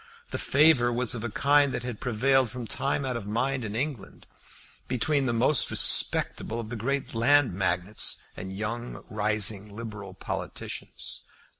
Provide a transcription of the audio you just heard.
The favour was of a kind that had prevailed from time out of mind in England, between the most respectable of the great land magnates, and young rising liberal politicians.